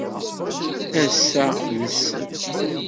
Ass-a d ssebt.